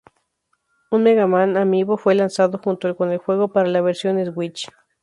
Un Mega Man Amiibo fue lanzado junto con el juego para la versión Switch.